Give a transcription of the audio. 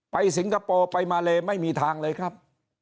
สิงคโปร์ไปมาเลไม่มีทางเลยครับ